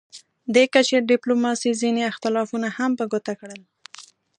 دې کچې ډیپلوماسي ځینې اختلافونه هم په ګوته کړل